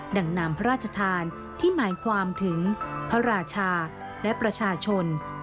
่งนามพระราชทานที่หมายความถึงพระราชาและประชาชน